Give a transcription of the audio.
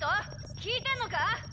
聞いてんのか？